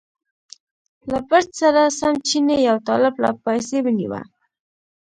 له بړچ سره سم چیني یو طالب له پایڅې ونیوه.